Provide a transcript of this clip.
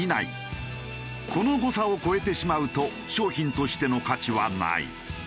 この誤差を超えてしまうと商品としての価値はない。